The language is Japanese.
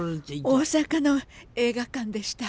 大阪の映画館でした。